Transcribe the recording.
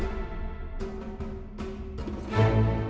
kamu harus ikut mama pulang